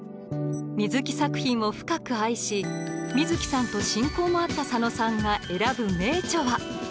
水木作品を深く愛し水木さんと親交もあった佐野さんが選ぶ名著は？